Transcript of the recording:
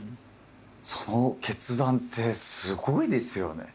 その決断ってすごいですよね。